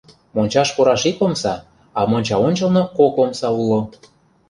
Мончаш пураш ик омса, а монча ончылно кок омса уло.